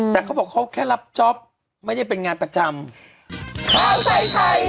แต่เขาบอกเขาแค่รับจ๊อปไม่ได้เป็นงานประจำ